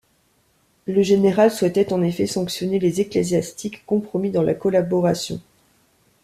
Le général souhaitait en effet sanctionner les ecclésiastiques compromis dans la collaboration.